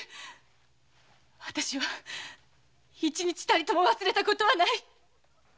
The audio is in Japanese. わたしは一日たりとも忘れたことはない。